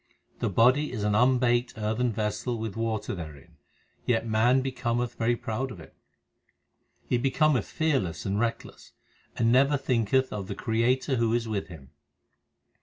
The body is an unbaked earthen vessel with water therein, Yet man becometh very proud of it. He becometh fearless and reckless, And never thinketh of the Creator who is with him.